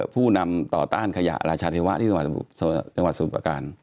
ผู้นำต่อต้านขยะราชาธิวะที่สวัสดิ์ประการ